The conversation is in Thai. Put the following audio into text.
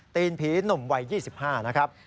ตีนผีหนุ่มวัย๒๕นะครับ